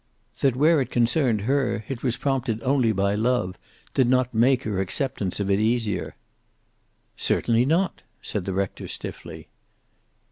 That, where it concerned her, it was prompted only by love did not make her acceptance of it easier. "Certainly not," said the rector, stiffly.